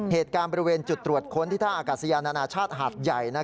เหตุการณ์บริเวณจุดตรวจค้นที่ท่าอากาศยานานาชาติหาดใหญ่